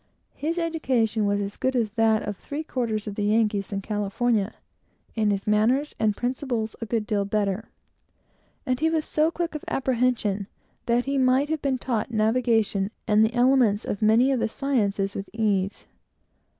His education was as good as that of three quarters of the Yankees in California, and his manners and principles a good deal better, and he was so quick of apprehension that he might have been taught navigation, and the elements of many of the sciences, with the most perfect ease.